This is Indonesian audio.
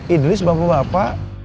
idris bapu bapa